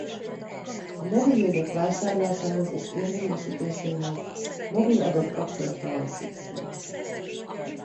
A mobiljegyek vásárlásához és érvényesítéséhet mobil-adatkapcsolatra van szükség.